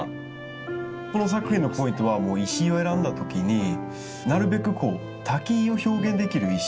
この作品のポイントはもう石を選んだ時になるべくこう滝を表現できる石。